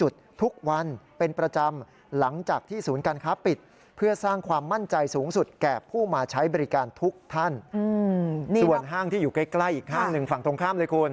ส่วนห้างที่อยู่ใกล้อีกห้างหนึ่งฝั่งตรงข้ามเลยคุณ